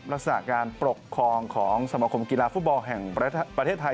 ลักษณะการปกครองของสมคมกีฬาฟุตบอลแห่งประเทศไทย